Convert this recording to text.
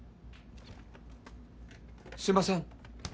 すいません